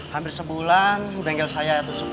hampir sebulan bengkel saya itu